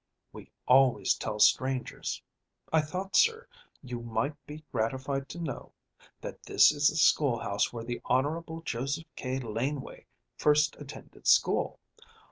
"We always tell strangers I thought, sir, you might be gratified to know that this is the school house where the Honorable Joseph K. Laneway first attended school.